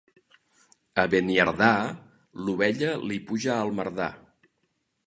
A Beniardà l'ovella li puja al mardà.